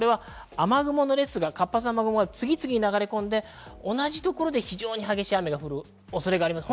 雨雲の列が活発な雨雲が次々に流れ込んで、同じところで非常に激しい雨が降る恐れがあります。